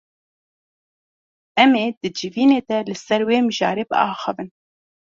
Em ê di civînê de li ser wê mijarê biaxivin.